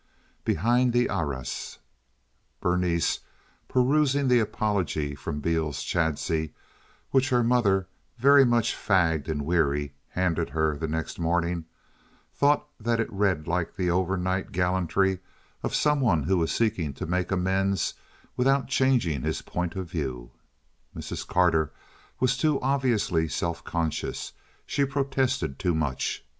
Behind the Arras Berenice, perusing the apology from Beales Chadsey, which her mother—very much fagged and weary—handed her the next morning, thought that it read like the overnight gallantry of some one who was seeking to make amends without changing his point of view. Mrs. Carter was too obviously self conscious. She protested too much.